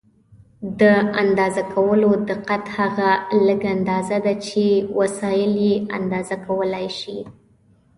د اندازه کولو دقت هغه لږه اندازه ده چې وسایل یې اندازه کولای شي.